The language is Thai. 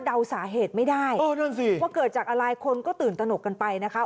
เดาสาเหตุไม่ได้เออนั่นสิว่าเกิดจากอะไรคนก็ตื่นตนกกันไปนะคะ